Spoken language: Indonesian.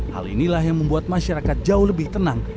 hal inilah yang membuat masyarakat jauh lebih tenang